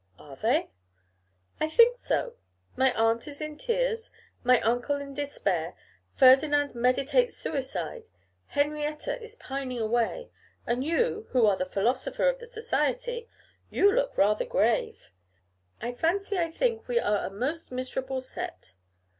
'Are they?' 'I think so: my aunt is in tears; my uncle in despair; Ferdinand meditates suicide; Henrietta is pining away; and you, who are the philosopher of the society, you look rather grave. I fancy I think we are a most miserable set.